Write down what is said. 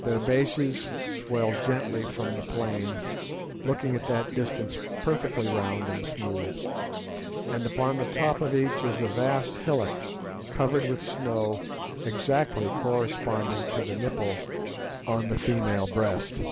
Their bases swell gently from the plain, looking at that distance perfectly round and smooth; and upon the top of each is a vast hillock covered with snow, exactly corresponding to the nipple on the female breast.